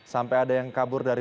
sampai ada yang kabur dari